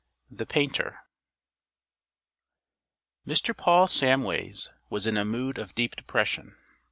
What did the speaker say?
THE PAINTER Mr. Paul Samways was in a mood of deep depression.